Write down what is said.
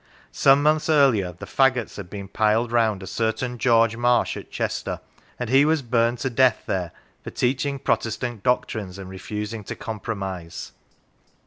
Some months earlier, the faggots had been piled round a certain George Marsh, at Chester, and he was burned to death there, for teaching Protestant doctrines, and refusing to compromise.